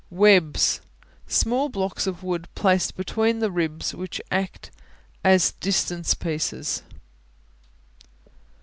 Webs Small blocks of wood placed between the ribs which act as distance pieces.